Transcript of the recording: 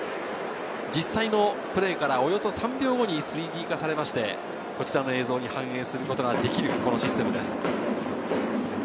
実際のプレーからおよそ３秒後に３Ｄ化されて、こちらの映像に反映することができるシステムです。